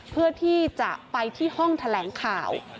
เพื่อที่จะไปที่ห้องแถลงข่าว